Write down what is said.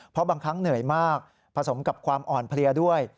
เพราะบางครั้งเหนื่อยมากผสมกับความอ่อนเพลียด้วย